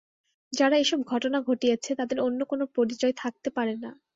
যারা এসব ঘটনা ঘটিয়েছে, তাদের অন্য কোনো পরিচয় থাকতে পারে না।